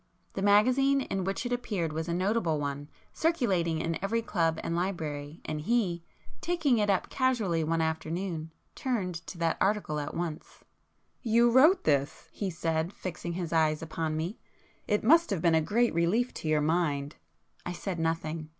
The magazine in which it appeared was a notable one, circulating in every club and library, and he, taking it up casually one afternoon, turned to that article at once. "You wrote this!" he said, fixing his eyes upon me,—"It must have been a great relief to your mind!" I said nothing.